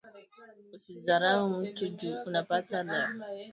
Usi zarau mutu ju unapata leo